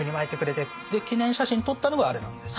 で記念写真撮ったのがあれなんです。